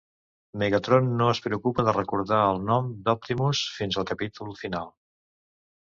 Megatron no es preocupa de recordar el nom d'Optimus fins al capítol final.